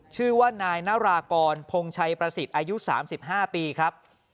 ชื่อว่านายนารากรพงชัยประสิทธิ์อายุ๓๕ปีครับ